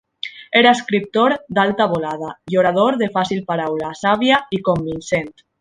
Era escriptor d'alta volada i orador de fàcil paraula, sàvia i convincent.